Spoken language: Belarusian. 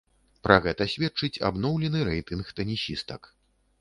Пра гэта сведчыць абноўлены рэйтынг тэнісістак.